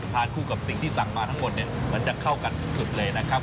คู่กับสิ่งที่สั่งมาทั้งหมดเนี่ยมันจะเข้ากันสุดเลยนะครับ